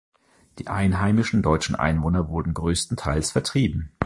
Die einheimischen deutschen Einwohner wurden größtenteils vertrieben.